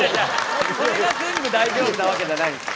それが全部大丈夫なわけじゃないですよ。